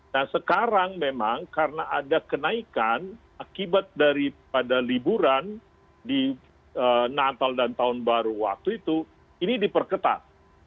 nah sekarang memang karena ada kenaikan akibat daripada liburan di natal dan tahun baru waktu itu ini diperketat